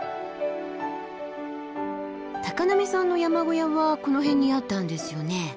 波さんの山小屋はこの辺にあったんですよね？